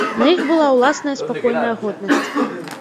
На іх была ўласная спакойная годнасць.